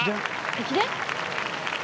駅伝？